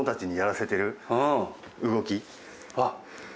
あっ。